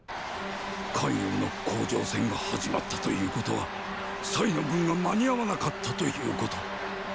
咸陽の攻城戦が始まったということはの軍が間に合わなかったということ。